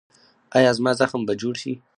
ایا زما زخم به جوړ شي؟